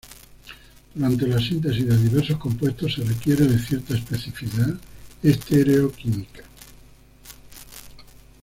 Durante la síntesis de diversos compuestos, se requiere de cierta especificidad estereoquímica.